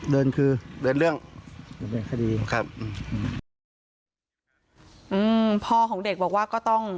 เดินคือเดินเรื่องดำเนินคดีครับอืมพ่อของเด็กบอกว่าก็ต้อง